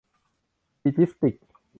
บี จิสติกส์